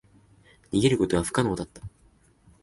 逃げることは不可能だった。